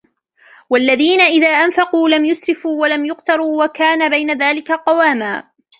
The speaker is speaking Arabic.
والذين إذا أنفقوا لم يسرفوا ولم يقتروا وكان بين ذلك قواما